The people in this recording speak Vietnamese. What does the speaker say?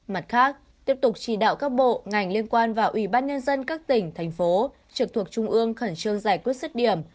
mặt khác tiếp tục chỉ đạo các bộ ngành liên quan và ủy ban nhân dân các tỉnh thành phố trực thuộc trung ương khẩn trương giải quyết sức điểm